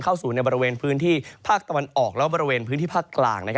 เข้าสู่ในบริเวณพื้นที่ภาคตะวันออกและบริเวณพื้นที่ภาคกลาง